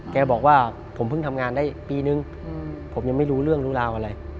แกบอกว่าผมเพิ่งทำงานได้ปีนึงผมยังไม่รู้เรื่องรู้ราวอะไร